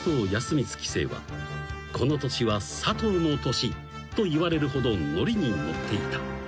棋聖はこの年は佐藤の年といわれるほどノリに乗っていた］